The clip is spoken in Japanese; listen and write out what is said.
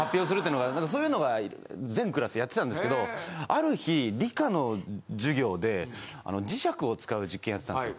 そういうのが全クラスやってたんですけどある日理科の授業で磁石を使う実験やってたんですよ。